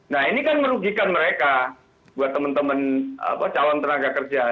nah ini kan merugikan mereka buat teman teman calon tenaga kerja